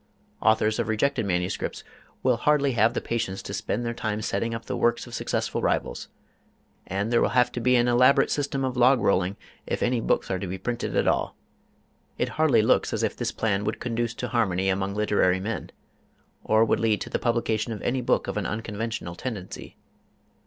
Authors of rejected MSS. will hardly have the patience to spend their time setting up the works of successful rivals, and there will have to be an elaborate system of log rolling if any books are to be printed at all. It hardly looks as if this plan would conduce to harmony among literary men, or would lead to the publication of any book of an unconventional tendency.